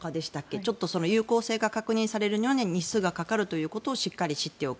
ちょっと有効性が確認されるまで日数がかかるということをしっかり知っておく。